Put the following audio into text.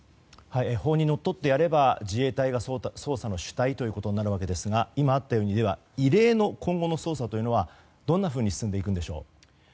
法にのっとってやれば自衛隊が捜査の主体ということになるわけですが今あったようにでは異例の捜査、今後はどう進んでいくんでしょう。